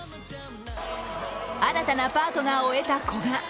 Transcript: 新たなパートナーを得た古賀。